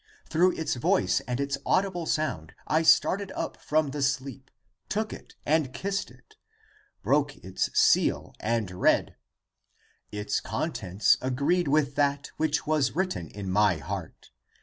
> Through its voice and its audible sound I started up from the sleep, Took it and kissel it, < Broke its seal> and read. Its contents agreed with that Which was written in my heart.